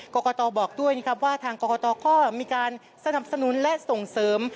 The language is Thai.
กรกตบอกด้วยนะครับว่าทางกรกตก็มีการสนับสนุนและส่งเสริม